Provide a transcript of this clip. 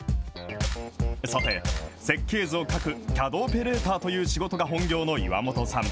さて、設計図を描くＣＡＤオペレーターという仕事が本業の岩本さん。